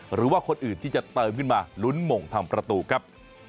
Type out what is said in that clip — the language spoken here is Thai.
หรือว่าคนอื่นที่จะเติมขึ้นมาลุ้นหม่งทำประตูครับ